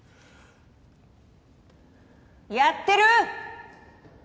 ・やってる？